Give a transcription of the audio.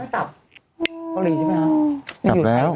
กลับอะไรยัง